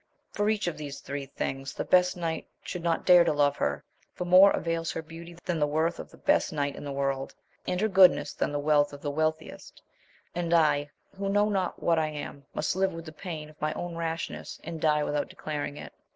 For each of these three things the best knight should not dare to love her, for more avails her beauty than the worth of the best knight in the world, and her goodness than the wealth of the wealthiest ; and I, who know not what I am, must live with the pain of my own rashness, and die without declaring it!